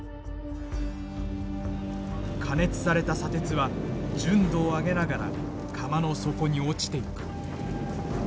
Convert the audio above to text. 加熱された砂鉄は純度を上げながら釜の底に落ちていく。